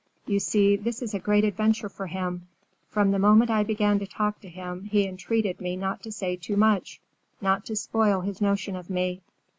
You see this is a great adventure for him. From the moment I began to talk to him, he entreated me not to say too much, not to spoil his notion of me.